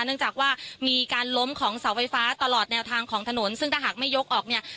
เนื่องจากว่ามีการล้มของเสาไฟฟ้าตลอดแนวทางของถนนซึ่งถ้าหากไม่ยกออกเนี่ย